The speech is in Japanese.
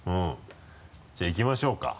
じゃあいきましょうか。